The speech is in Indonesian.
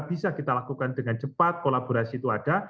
bisa kita lakukan dengan cepat kolaborasi itu ada